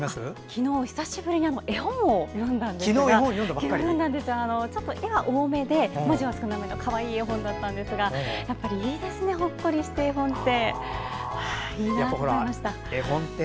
昨日、久しぶりに絵本を読んだんですがちょっと絵が多めで文字が少なめのかわいい絵本だったんですがやっぱりいいですねほっこりして、絵本って。